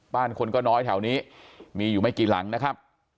บ้านคนก็น้อยแถวนี้มีอยู่ไม่กี่หลังนะครับ